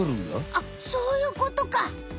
あっそういうことか。